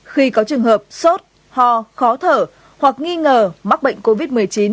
khi có trường hợp sốt ho khó thở hoặc nghi ngờ mắc bệnh covid một mươi chín